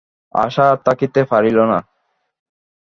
আশা আর থাকিতে পারিল না।